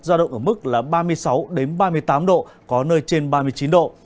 giao động ở mức là ba mươi sáu ba mươi tám độ có nơi trên ba mươi chín độ